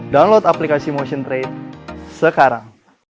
download aplikasi motion trade sekarang